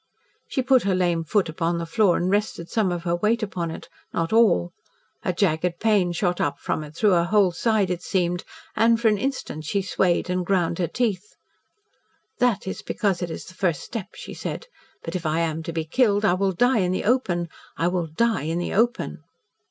She put her lame foot upon the floor, and rested some of her weight upon it not all. A jagged pain shot up from it through her whole side it seemed, and, for an instant, she swayed and ground her teeth. "That is because it is the first step," she said. "But if I am to be killed, I will die in the open I will die in the open."